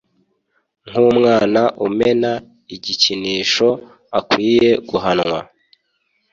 Nkumwana umena igikinisho akwiye guhanwa